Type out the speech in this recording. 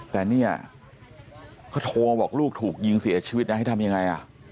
แต่เนี่ยเขาโทรมาบอกลูกถูกยิงเสียชีวิตนะให้ทำยังไง